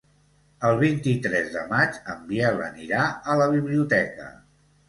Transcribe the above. El vint-i-tres de maig en Biel anirà a la biblioteca.